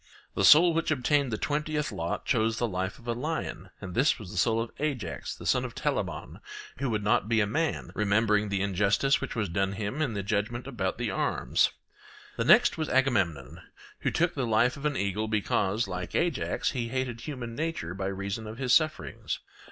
The soul which obtained the twentieth lot chose the life of a lion, and this was the soul of Ajax the son of Telamon, who would not be a man, remembering the injustice which was done him in the judgment about the arms. The next was Agamemnon, who took the life of an eagle, because, like Ajax, he hated human nature by reason of his sufferings.